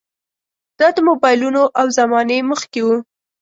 دا د موبایلونو له زمانې مخکې وو.